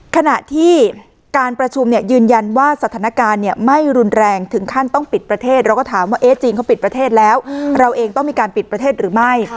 ขณะที่การประชุมเนี่ยยืนยันว่าสถานการณ์ไม่รุนแรงถึงขั้นต้องปิดประเทศเราก็ถามว่าเอ๊ะจีนเขาปิดประเทศแล้วเราเองต้องมีการปิดประเทศหรือไม่